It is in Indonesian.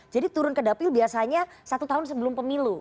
jadi turun ke dapil biasanya satu tahun sebelum pemilu